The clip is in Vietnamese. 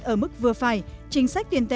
ở mức vừa phải chính sách tiền tệ